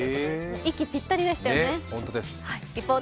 息ぴったりでしたよね。